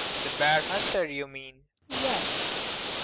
The bear hunter, you mean? MAIA. Yes.